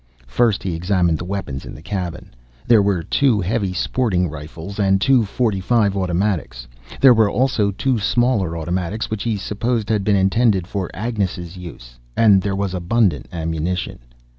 First he examined the weapons in the cabin. There were two heavy sporting rifles and two .45 automatics. There were also two smaller automatics, which, he supposed, had been intended for Agnes' use. And there was abundant ammunition.